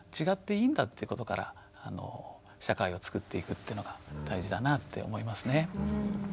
違っていいんだということから社会を作っていくというのが大事だなって思いますね。